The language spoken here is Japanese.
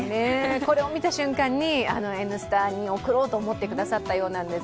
これを見た瞬間に「Ｎスタ」に送ろうと思ってくださったようなんです。